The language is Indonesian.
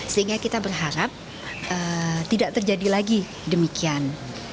sehingga kita berharap tidak terjadi lagi demikian